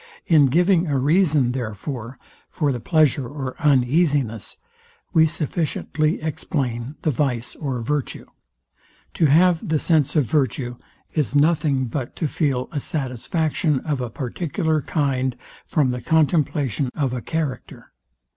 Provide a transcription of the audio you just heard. In giving a reason, therefore, for the pleasure or uneasiness, we sufficiently explain the vice or virtue. To have the sense of virtue, is nothing but to feel a satisfaction of a particular kind from the contemplation of a character.